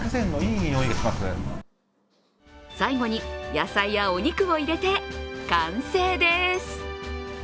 最後に野菜やお肉を入れて完成です。